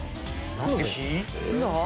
何？